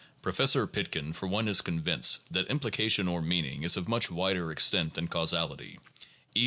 Professor Pitkin, for one, is convinced that implication or meaning is of much wider extent than causality, e.